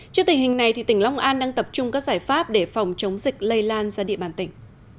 trước tình hình này tỉnh long an đang tập trung các giải pháp để phòng chống dịch lây lan ra địa bàn tỉnh